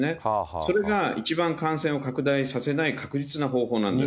それが一番感染を拡大させない、確実な方法なんです。